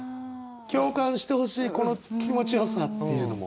共感してほしいこの気持ちをさっていうのも。